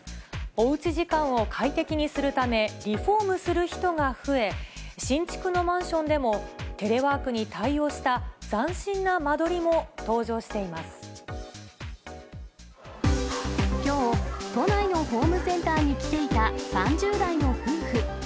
おうち時間を快適にするため、リフォームする人が増え、新築のマンションでもテレワークに対応した斬新な間取りも登場しきょう、都内のホームセンターに来ていた３０代の夫婦。